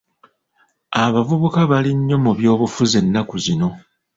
Abavubuka bali nnyo mu by'obufuzi ennaku zino.